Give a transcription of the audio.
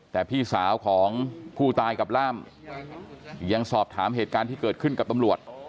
แต่พี่สาวของผู้ตายกับล่ามยังสอบถามเหตุการณ์ที่เกิดขึ้นกับตำรวจ